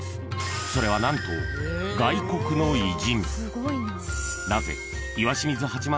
［それは何と外国の偉人］